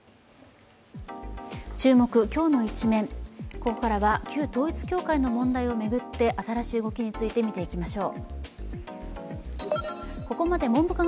ここからは旧統一教会の問題を巡って新しい動きについてみていきましょう。